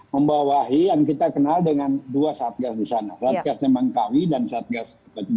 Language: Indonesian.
membawahi yang kita kenal dengan dua satgas disana satgas tembangkawi dan satgas